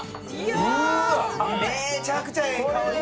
めちゃくちゃええ香り。